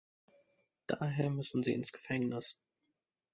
Daher müssen sie ins Gefängnis.